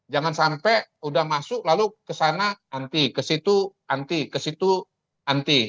jangan sampai sudah masuk lalu kesana anti kesitu anti kesitu anti